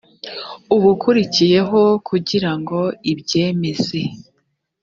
ubukurikiyeho kugira ngo ibyemeze